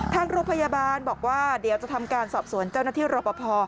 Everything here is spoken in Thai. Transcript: ทางโรงพยาบาลบอกว่าเดี๋ยวจะทำการสอบสวนเจ้าหน้าที่รอปภ